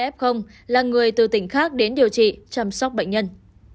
hai mươi hai f là người từ tỉnh khác đến điều trị chăm sóc bệnh nhân